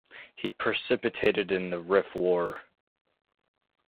He participated in the Rif War.